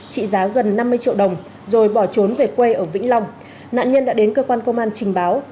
trị giá gần năm mươi triệu đồng rồi bỏ trốn về quê ở vĩnh long nạn nhân đã đến cơ quan công an trình báo